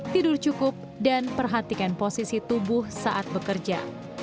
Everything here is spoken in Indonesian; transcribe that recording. tidur cukup dan perhatikan posisi tubuh saat bekerja